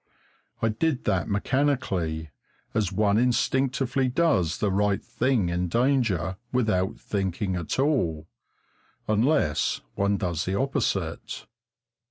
I did that mechanically, as one instinctively does the right thing in danger without thinking at all unless one does the opposite.